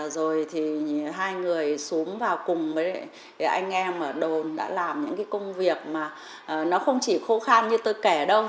rồi thì hai người xuống vào cùng với anh em ở đồn đã làm những cái công việc mà nó không chỉ khô khan như tôi kể đâu